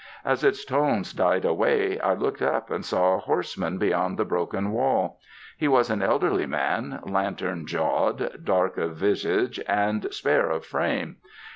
As its tones died away, I looked up and saw a horseman beyond the broken wall. He was an elderly man, lantern jawed, dark of visage and spare of frame.